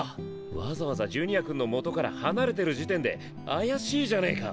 わざわざジュニア君のもとから離れてる時点で怪しいじゃねぇか！